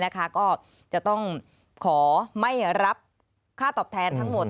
ก็จะต้องขอไม่รับค่าตอบแทนทั้งหมด